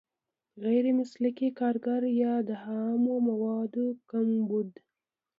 غیر مسلکي کارګر یا د خامو موادو کمبود.